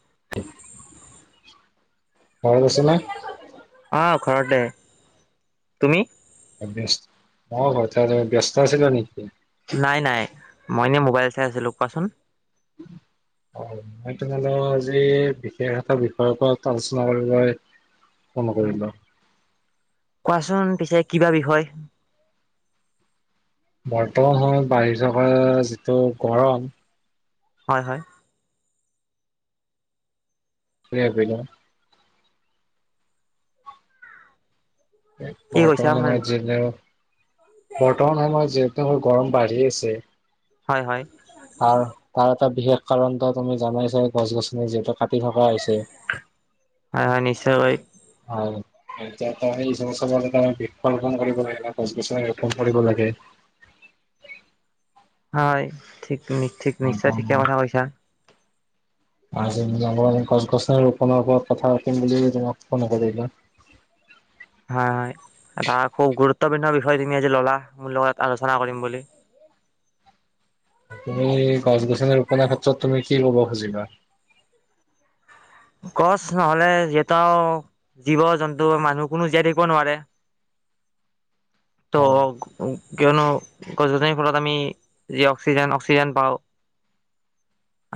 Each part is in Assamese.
[unintelligible] ঘৰত আছ না? অঁ ঘৰতে, তুমি? অ ব্যস্--অ ঘৰতে, ব্যস্ত আছিলা নিকি? নাই নাই মই এনে মোবাইল চাই আছিলোঁ কোৱাচোন। [unintelligible] অ মই তোমাৰ লগত আজি বিশেষ এটা বিষয়ৰ ওপৰত আলোচনা কৰিবলৈ ফ'ন কৰিলো। কোৱাচোন পিছে কিবা বিষয়। বৰ্তমান সময়ত বাঢ়ি থকা যিটো গৰম, হয় হয়, কৰিলা। কি কৈছা বৰ্তমান সময়ত যেনেও বৰ্তমান সময়ত যিহেতু গৰম বাঢ়ি আছে, হয় হয়, তাৰ তাৰ এটা বিশেষ কাৰণটো তুমি জানাই ছাগে গছ গছনি যিহেতু কাটি থকা হৈছে। হয় হয় নিশ্চয়কৈ, হয়। এতিয়া এই হিচাপত চাব গলে বৃক্ষ ৰোপন কৰিব লাগে বা গছ-গছনি ৰোপন কৰিব লাগে। হয় ঠিক তুমি, ঠিক নিশ্চয় ঠিকে লাগে। কথা কৈছা। আজি নিয়মীয়াকৈ গছ গছনি ৰোপনৰ ওপৰত কথা পাতিম বুলি তোমাক ফোন কৰিলো। হয় হয়, এটা খুব গুৰুত্বপূৰ্ণ বিষয় তুমি আজি ল'লা মোৰ লগত আলোচনা কৰিম বুলি। তুমি গছ গছনি ৰোপনৰ ক্ষেত্ৰত তুমি কি ক'ব খুজিবা? গছ নহলে যিহেতু জীৱ জন্তু মানুহ কোনো জীয়াই থাকিব নোৱাৰে। [inaudible] ত' হয় কিয়নো গছ গছনিৰ ফলত আমি যি অক্সিজেন অক্সিজেন পাওঁ,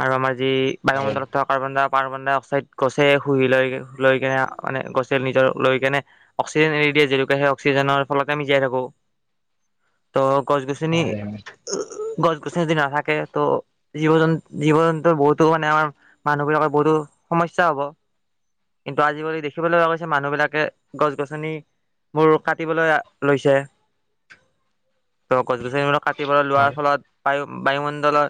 আৰু আমাৰ যি হয় বায়ুমণ্ডলত থকা কাৰ্বন-ডাই পাৰ্বন-ডাই-অক ছাইড গছে শুহি লৈ লৈ কেনে মানে গছে নিজৰ লৈ কেনে অক্সিজেন এৰি দিয়ে যিহেতুকে সেই অক্সিজেনৰ ফলতে আমি জীয়াই থাকো। [inaudible] ত' গছ-গছনি হয় গছ গছনি যদি নাথাকে ত' জীৱ জন্ জীৱ জন্তুৰ বহুতো মানে আমাৰ মানুহ বিলাকৰ বহুতো সমস্যা হব। কিন্তু আজিকালি দেখিবলৈ পোৱা গৈছে মানুহবিলাকে গছ গছনি বোৰ কাটিবলৈ লৈছে। [inaudible] ত' গছ গছনিবিলাক কাটিবলৈ হয় লোৱাৰ ফলত বায়ু বায়ুমণ্ডলত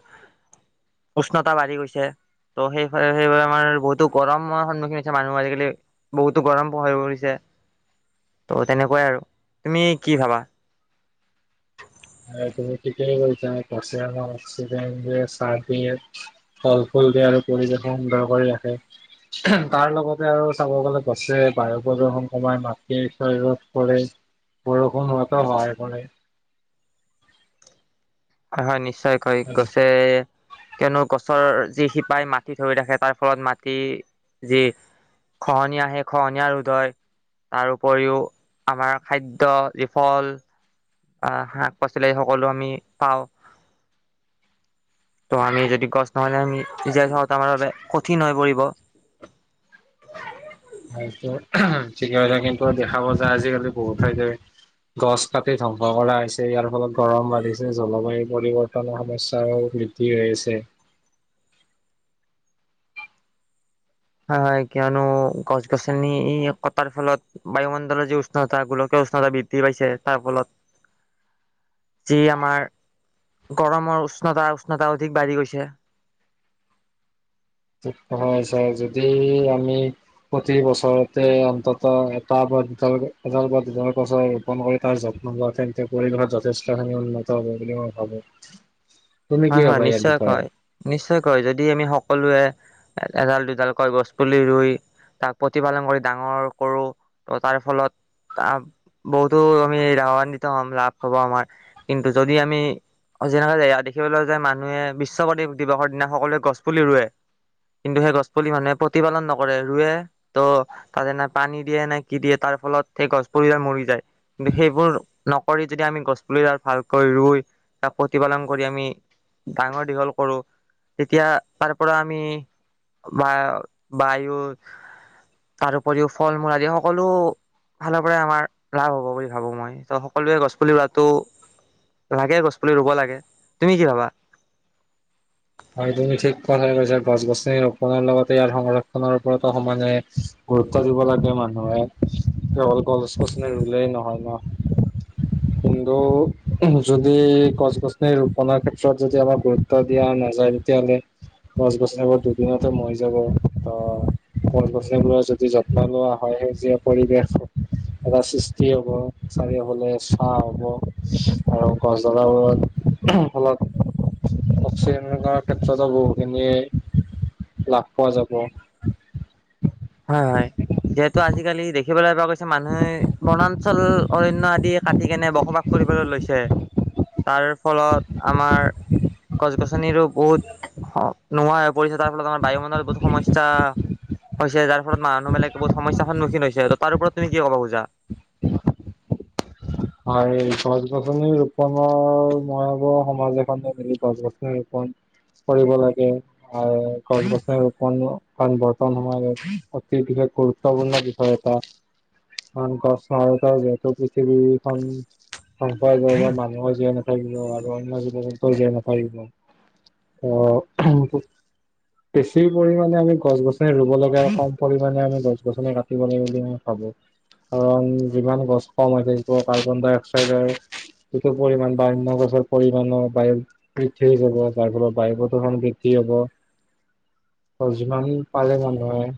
উষ্ণতা বাঢ়ি গৈছে ত' সেই সেইবাবে আমাৰ বহুতো গৰমৰ সন্মুখীন হৈছে মানুহ আজিকালি বহুতো গৰম পহৰি পৰিছে ত' তেনেকোৱাই আৰু তুমি কি ভাবা? অ তুমি ঠিকেই কৈছা গছে আমাক অক্সিজেন দিয়ে ছাঁ দিয়ে ফল ফুল দিয়ে আৰু পৰিৱেশো সুন্দৰ কৰি ৰাখে। তাৰ লগতে আৰু চাব গলে গছে বায়ু প্ৰদূষণ কমাই মাটি ৰোধ কৰে। বৰষুন হোৱাতো সহায় কৰে। হয় হয় নিশ্চয়কৈ গছে কিয়নো গছৰ যি শিপাই মাটি ধৰি ৰাখে তাৰ ফলত মাটি যি খহনীয়া সেই খহনীয়া ৰোধ হয়। তাৰ উপৰিও আমাৰ খাদ্য যি ফল আহ শাক পাচলি সকলো আমি পাওঁ। ত' আমি যদি গছ নহ'লে আমি সিজাই খাওঁ ত আমাৰ বাবে কঠিন হৈ পৰিব। ত' ঠিকে কৈছা কিন্তু দেখাব যে আজিকালি বহুত থৈ যায়। গছ কাটি ধ্বংস কৰা হৈছে ইয়াৰ ফলত গৰম বাঢ়িছে জলবায়ু পৰিৱৰ্তনৰ সমস্যাও বৃ দ্ধি হৈ আছে। হয় হয় কিয়নো গছ গছনি কটাৰ ফলত বায়ুমণ্ডলৰ যি উষ্ণতা গোলকীয় উষ্ণতা বৃদ্ধি পাইছে তাৰ ফলত [unintelligible] যি আমাৰ গৰমৰ উষ্ণতা, উষ্ণতা অধিক বাঢ়ি গৈছে। ঠিক কথাই কৈছা যদি আমি প্ৰতি বছৰতে অন্তত এটা বা দুটা লৈকে এদাল বা দুটা বছৰে ৰুপন কৰি তাৰ যত্ন লোৱা তেন্তে পৰিৱেশত যথেষ্টখিনি উন্নত হ'ব বুলি মই ভাবো। তুমি কি হয় হয় ভাবা ইয়াৰ বিষয়ে? নিশ্চয়কৈ নিশ্চয়কৈ যদি আমি সকলোৱে এ-এডাল দুডাল কৈ গছ পুলি ৰুই তাক প্ৰতি পালন কৰি ডাঙৰ কৰো ত' তাৰে ফলত তাপ বহুতো আমি লাভান্বিত হ'ম লাভ হ'ব আমাৰ কিন্তু যদি আমি অ যেনেদৰে দেখিবলৈ যায় মানুহে বিশ্ব পৰিৱেশ দিৱসৰ দিনা সকলোৱে গছ পুলি ৰুৱে। কিন্তু সেই গছ পুলি মানুহে প্ৰতিপালন নকৰে ৰুৱে ত' তাতে না পানী দিয়ে না কি দিয়ে তাৰ ফলত সেই গছ পুলিয়ে মৰি যায়। কিন্তু সেইবোৰ নকৰি যদি আমি গছ পুলি ডাল ভালকৈ ৰুই তাক প্ৰতিপালন কৰি আমি ডাঙৰ দীঘল কৰো তেতিয়া তাৰ পৰা আমি বা বায়ু তাৰ উপৰিও ফল মূল আদি সকলো ফালৰ পৰাই আমাৰ লাভ হ'ব বুলি ভাবো মই ত' সকলোৱে গছ পুলি ৰোৱাতো লাগে গছ পুলি ৰুব লাগে, তুমি কি ভাবা? হয় তুমি ঠিক কথাই কৈছা গছ গছনি ৰোপনৰ লগতে ইয়াৰ সংৰক্ষনৰ ওপৰতো সমানে গুৰুত্ব দিব লাগে মানুহে ত অকল গছ গছনি ৰুলেই নহয় ন'। কিন্তু যদি গছ গছনি ৰোপনৰ ক্ষেত্ৰত যদি আমাক গুৰুত্ব দিয়া নাজা যায় তেতিয়াহ'লে গছ গছনিবোৰ দুদিনতে মৰি যাব ত গছ গছনিবোৰৰ যদি যত্ন লোৱা হয় সেউজীয়া পৰিৱেশ এটা সৃষ্টি হ'ব চাৰিওফালে চা হ'ব আৰু গছডালাবোৰত ফলত [inaudible] সেইটো ক্ষেত্ৰতো বহুখিনি লাভ পোৱা যাব। হয় হয় যিহেতু আজিকালি দেখিবলৈ পোৱা গৈছে মানুহে বনাঞ্চল অৰণ্য আদি কাটি কেনে বসবাস কৰিবলৈ লৈছে। তাৰ ফলত আমাৰ গছ গছনিৰো বহুত হ, নোহোৱা হৈ পৰিছে তাৰ ফলত আমাৰ বায়ুমণ্ডলত বহুত সমস্যা হৈছে যাৰ ফল মানুহবিলাকে বহুত সমস্যাৰ সন্মুখীন হৈছে তাৰ ওপৰত তুমি কি ক'ব খোজা? হয় গছ গছনি ৰোপনৰ মই ভাবোঁ সমাজ এখনে মিলি গছ গছনি ৰোপন কৰিব লাগে। আ, গছ গছনি ৰুপনো কাৰণ বৰ্তমান সময় অতি বিশেষ গুৰত ত পূৰ্ণ বিষয় এটা কাৰন গছ সহায়তা যিহেতু পৃথিৱীখন ধ্বংস হৈ যাব মানুহৰ জীয়াই নাথাকিব আৰু অন্য জীৱ জন্তু জীয়াই নাথাকিব। [inaudible] বেছি পৰিমাণে আমি গছ গছনি ৰুব লাগে আৰু কম পৰিমাণে আমি গছ গছনি কাটিব লাগে বুলি মই ভাবোঁ কাৰণ যিমান গছ কম হৈ সেইটো কাৰ্বন ডাই অক্সাইডৰ [inaudible] বৃদ্ধি হয় যাব যাৰ ফলত বায়ু প্ৰদূৰ্ষণ বৃদ্ধি হ'ব। অ, যিমান পালে মানুহে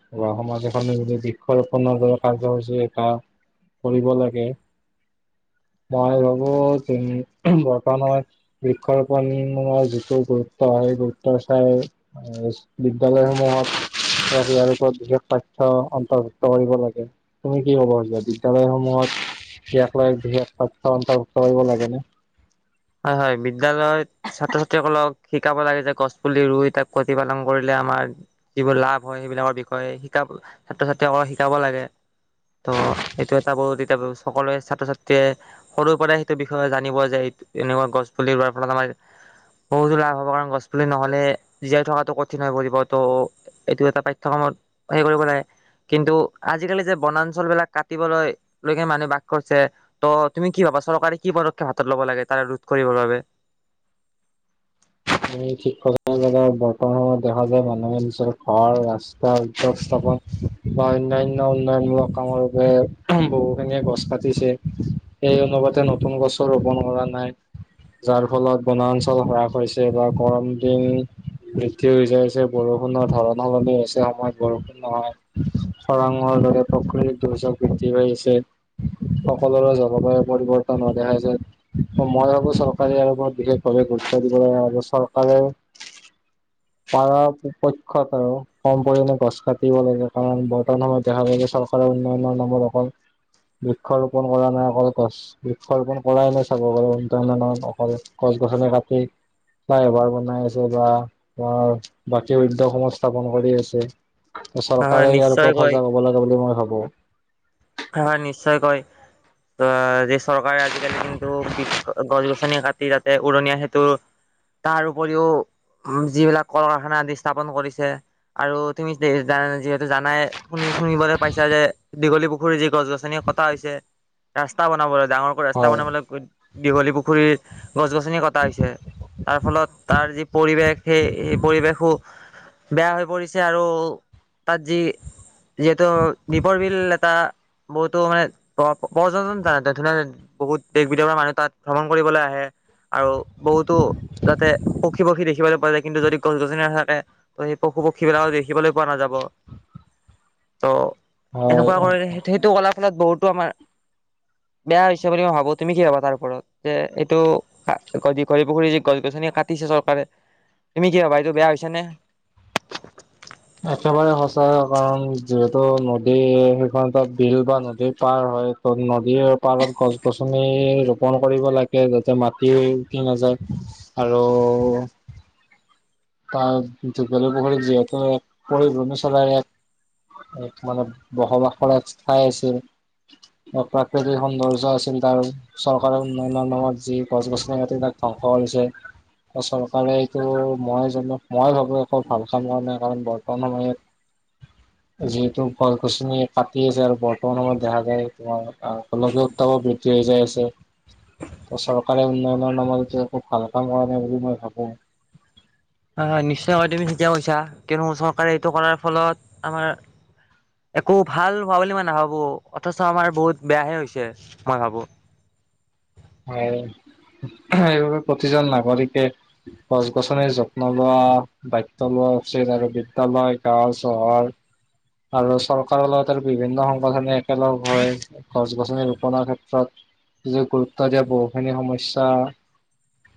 সমাজ এখনে যদি বৃক্ষ ৰোপণৰ দৰে কাৰ্যসূচী এটা কৰিব লাগে। মই ভাবো বৰ্তমান সময়ত বৃক্ষৰ ৰোপণৰ যিটো গুৰুত্ব সেই গুৰুত্ব চাই, বিদ্যালয়সমূহত, বিশেষ তথ্য অন্তৰ্ভুক্ত কৰিব লাগে। তুমি কি ক'ব খুজিছা বিদ্যালয়সমূহত, ইয়াক লৈ বিশেষ তথ্য অন্তৰ্ভুক্ত কৰিব লাগে ন? হয় হয় বিদ্যালয়ত ছাত্ৰ ছাত্ৰীসকলক শিকাব লাগে যে গছ পুলি ৰুই তাক প্ৰতিপালন কৰিলে আমাৰ, যিবোৰ লাভ হয় সেইবিলাকৰ বিষয়ে শিকাব ছাত্ৰ ছাত্ৰীসকল শিকাব লাগে। ত' এইটো এটা বহু তে এতিয়া সকলোৱে ছাত্ৰ ছাত্ৰীয়ে, সৰুৰ পৰাই সেইটো বিষয়ে জানিব যে এই এনেকুৱা গছ পুলি ৰোৱাৰ ফলত আমাৰ, বহুতো লাভ হ'ব কাৰণ গছ পুলি নহ'লে জীয়াই থকাতটো কঠিন হৈ পৰিব ত'। এইটো এটা পাঠ্যক্ৰমত হেৰি কৰিব লাগে। কিন্তু আজিকালি যে বনাঞ্চল বিলাক কাটিবলৈ লৈকে মানুহে বাস কৰিছে। ত তুমি কি ভাবা চৰকাৰে কি পদক্ষেপ হাতত লব লাগে তাৰে ৰোধ কৰিবৰ বাবে? তুমি ঠিক কথা কৈছা বৰ্তমান সময়ত দেখা যায় মানুহে নিজৰ ঘৰ ৰাস্তা উদ্যোগ স্থাপন। বা অন্যান্য উন্নয়নমূল কামৰ বহুখিনিয়ে গছ কাটিছে। সেই অনুপাতে নতুন গছ ৰোপন কৰা নাই, যাৰ ফলত বনাঞ্চল হ্ৰাস হৈছে। যে বা গৰম দিন, বৃদ্ধি হৈ যাইছে বৰষুণৰ ধাৰণা সলনি হৈছে সময়ত বৰষুণ নহয়। খৰাং দৰে প্ৰকৃতিৰ দুৰ্যোগ বৃদ্ধি পাইছে। সকলোৰে জলবায়ু পৰিৱৰ্তন হোৱা দেখা যায়। মই ভাবোঁ চৰকাৰে আৰু বৰত বিশেষভাৱে গুৰুত্ব দিব লাগ। আৰু চৰকাৰে, [unintelligible] পাৰাপক্ষত আৰু কম পৰিমাণে গছ কাটিব লাগে, কাৰণ বৰ্তমান সময়ত দেখা, উন্নয়নৰ নামত অকল বৃক্ষ ৰোপণ কৰা নাই, অকল গছ, বৃক্ষ ৰোপণ কৰাই নাই, [unintelligible] অকল গছ-গছনি কাটি বা এবাৰ বনাই আছে বা বাকী উদ্যোগ স্থাপন কৰি আছে। হয় হয় চৰকাৰে ইয়াৰ ওপৰত নিশ্চয়কৈ সজাগ হব লাগে বুলি মই ভাবো। হয় নিশ্চয় কয়। ত যি চৰকাৰে আজিকালি কিন্তু বি গছ-গছনি কাটি তাতে উৰণীয়া সেতুৰ তাৰ উপৰিও যিবিলাক কল-কাৰখানা আদি স্থাপন কৰিছে। আৰু তুমি যিহেতু জানাই শুনি শুনিবলৈ পাইছা যে দীঘলী পুখু পুখুৰী যি গছ-গছনি কটা হৈছে ৰাস্তা বনাবলৈ ডাঙৰকৈ ৰাস্তা হয় বনাবলৈ। দীঘলী পুখুৰীত গছ-গছনি কটা হৈছে। তাৰফলত তাৰ যি পৰিৱেশ সেই সেই পৰিৱেশো বেয়া হৈ পৰিছে আৰু তাত যি যিহেতু দ্বীপৰ বিল এটা বহুতো মানে পৰ্যন্ত ধুনীয়া। বহুত দেশ-বিদেশৰ মানুহ তাত ভ্ৰমণ কৰিবলৈ আহে। আৰু বহুতো যাতে পক্ষী পক্ষী দেখিবলৈ কিন্তু যদি গছ-গছনি নাথাকে। ত সেই পশু-পক্ষী বিলাকও দেখিবলৈ পোৱা নাযাব। ত' হয় এনেকুৱা কৰে সেইটো কলাৰ ফলত বহুতো আমাৰ বেয়া হৈছে বুলি মই ভাবো। তুমি কি ভাবা তাৰ ওপৰত যে এইটো? দীঘলী পুখুৰী যে গছ-গছনি কাটিছে চৰকাৰে। তুমি কি ভাবা এইটো বেয়া হৈছে নে? একেবাৰে সঁচা কাৰণ যিহেতু নদী সেইখন এটা বিল বা নদীৰ পাৰ হয়। নদীৰ পাৰত গছ-গছনি ৰোপন কৰিব লাগে যাতে মাটি উটি নাযায়। আৰু দীঘলী পুখুৰীত যিহেতু এক পৰিভ্ৰমী চৰাইয়ে এক মানে বসবাসৰ এক ঠাই আছিল। অ' প্ৰাকৃতিক সৌন্দৰ্য আছিল তাৰ। চৰকাৰৰ উন্নয়নৰ নামত যি গছ-গছনি কাটি তাত ধ্বংস কৰিছে। চৰকাৰে এইটো মই মই ভাবো একো ভাল কাম হোৱা নাই। কাৰণ বৰ্তমান সময়ত যিহেতু গছ-গছনি কাটি আছে আৰু বৰ্তমান সময়ত দেখা যায় তোমাৰ [unintelligible] [unintelligible] বৃদ্ধি হয় যায় আছে। ত' চৰকাৰে উন্নয়নৰ নামত সেইটো একো ভাল কাম কৰা নাই বুলি মই ভাবো। হয় হয় নিশ্চয়কৈ তুমি ঠিকেই কৈছা। কিয়নো চৰকাৰে এইটো কৰাৰ ফলত আমাৰ একো ভাল হোৱা বুলি মই নাভাবো, অথছ আমাৰ বহুত বেয়াহে হৈছে মই ভাবো। হয়, এইবাবে প্ৰতিজন নাগৰিকে গছ-গছনিৰ যত্ন লোৱা দায়িত্ব লোৱা উচিত আৰু বিদ্যালয় গাঁও চহৰ আৰু চৰকাৰৰ লগতে বিভিন্ন সংগঠনে একেলগ হয় গছ-গছনি ৰোপনৰৰ ক্ষেত্ৰত গুৰুত্ব দিয়া বহুখিনি সমস্যা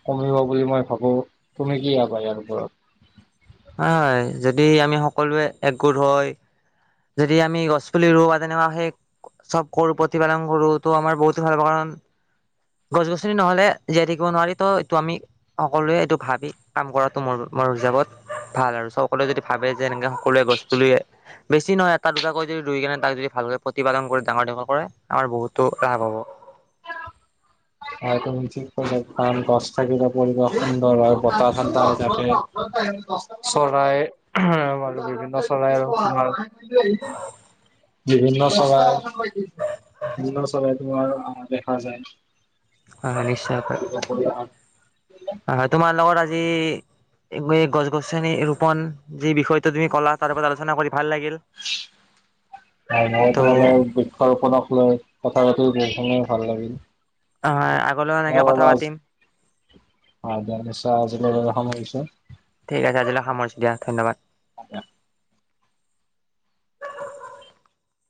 কমিব বুলি মই ভাবো, তুমি কি ভাবা ইয়াৰ ওপৰত? হয় যদি আমি সকলোৱে একগোট হয়। যদি আমি গছ পুলি ৰু বা তেনেকুৱা সেই চব কৰোঁ প্ৰতিপালন কৰো তো আমাৰ বহুতো ভাল হব কাৰণ গছ-গছনি নহলে জীয়াই থাকিব নোৱাৰিতো এইটো আমি সকলোৱে এইটো ভাবি কাম কৰাটো মোৰ মোৰ হিচাপত ভাল আৰু সকলোৱে যদি ভাবে যে এনেকে সকলোৱে গছ পুলি বেছি নহয় এটা-দুটাকৈ যদি ৰুই কেনে তাক যদি ভালকৈ প্ৰতিপালন কৰি ডাঙৰ দীঘল কৰে আমাৰ বহুতো লাভ হ'ব। হয় তুমি ঠিক কৈছা, কাৰণ গছ থাকিলে পৰিৱেশ সুন্দৰ হয় বতাহ ঠাণ্ডা হৈ থাকে। চৰায়ে উহ, উম বিভিন্ন চৰায়ে [unintelligible] বিভিন্ন চৰাই, বিভিন্ন চৰাই, তোমাৰ আহা দেখা যায়। হয়, নিশ্চয়কৈ। তোমাৰ লগত আজি এই গছ-গছনি ৰোপন, যি বিষয়টোৰ ওপৰত তুমি ক'লা, তাৰ ওপৰত আলোচনা কৰি ভাল লাগিল। হয় মোৰো ত' তোমাৰ লগত বহি ঘৰখনক লৈ কথা পাতি, বহুখিনি ভাল লাগিল। অ হয়। আগলৈও এনেকে কথা পাতিম। অঁ দিয়া, নিশ্চয়। আজিলৈ বাৰু সামৰিছো। ঠিক আছে, আজিলৈ সামৰিছো দিয়া ধ্যনবাদ। [unintelligible]